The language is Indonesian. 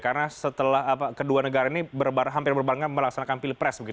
karena setelah kedua negara ini hampir berbarang melaksanakan pilpres